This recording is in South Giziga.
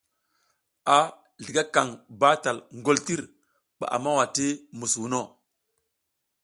A zligakaƞ batal ngoltir ɓa a mawa ti musuwuno.